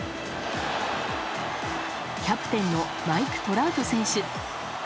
キャプテンのマイク・トラウト選手。